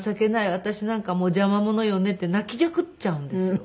私なんかもう邪魔者よね」って泣きじゃくっちゃうんですよ。